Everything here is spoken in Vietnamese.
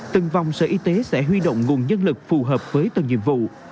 từng vòng sở y tế sẽ huy động nguồn nhân lực phù hợp với từng nhiệm vụ